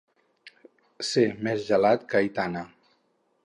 Ser més gelat que Aitana.